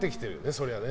そりゃね。